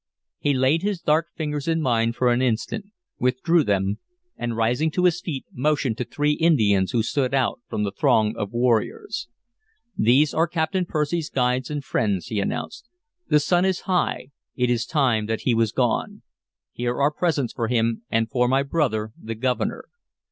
He laid his dark fingers in mine for an instant, withdrew them, and, rising to his feet, motioned to three Indians who stood out from the throng of warriors. "These are Captain Percy's guides and friends," he announced. "The sun is high; it is time that he was gone. Here are presents for him and for my brother the Governor."